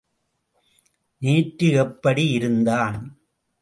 நேற்று எப்படி இருந்தான்.